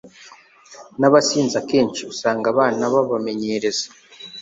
nabasinzi Akenshi usanga abana babamenyereza